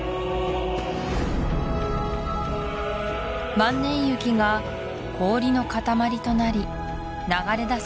万年雪が氷の塊となり流れだす